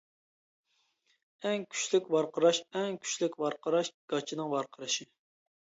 ئەڭ كۈچلۈك ۋارقىراش ئەڭ كۈچلۈك ۋارقىراش گاچىنىڭ ۋارقىرىشى.